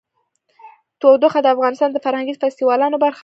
تودوخه د افغانستان د فرهنګي فستیوالونو برخه ده.